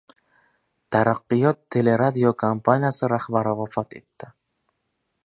“Taraqqiyot” teleradiokompaniyasi rahbari vafot etdi